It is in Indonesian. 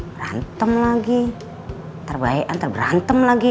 berantem lagi terbaikan terberantem lagi